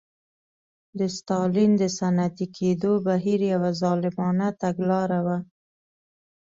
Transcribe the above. د ستالین د صنعتي کېدو بهیر یوه ظالمانه تګلاره وه